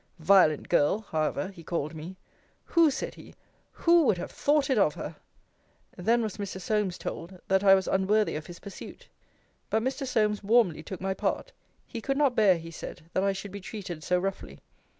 Violent girl, however, he called me Who, said he, who would have thought it of her? Then was Mr. Solmes told, that I was unworthy of his pursuit. But Mr. Solmes warmly took my part: he could not bear, he said, that I should be treated so roughly.